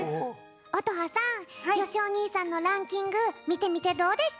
乙葉さんよしお兄さんのランキングみてみてどうでしたか？